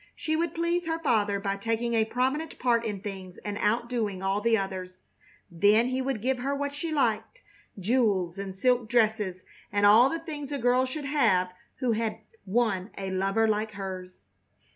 She would please her father by taking a prominent part in things and outdoing all the others. Then he would give her what she liked jewels and silk dresses, and all the things a girl should have who had won a lover like hers.